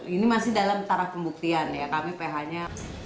ini masih dalam taraf pembuktian ya kami ph nya